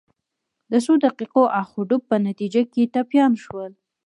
د څو دقیقو اخ و ډب په نتیجه کې ټپیان شول.